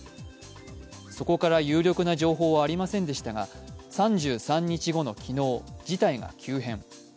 そこから有力な情報はありませんでしたが、３３日後の昨日、事態が急変。